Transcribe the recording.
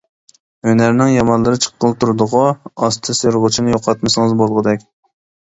ھۈنەرنىڭ يامانلىرى چىققىلى تۇردىغۇ؟ ئاستى سىيرىغۇچنى يوقاتمىسىڭىز بولغۇدەك.